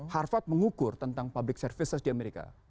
harvard mengukur tentang public services di amerika